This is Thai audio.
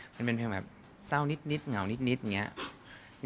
มันเป็นเพลงแบบเศร้านิดเหงานิดอย่างนี้